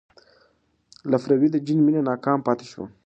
لفروی د جین مینه ناکام پاتې شوه.